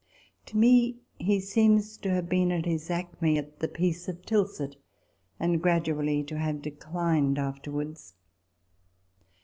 To me he seems to have been at his acme at the Peace of Tilsit,* and gradually to have declined afterwards.